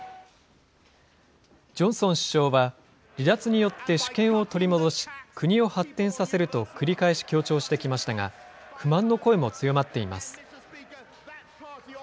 ジョンソン首相は、離脱によって主権を取り戻し、国を発展させると繰り返し強調してきましたが、不満の声も強まっています。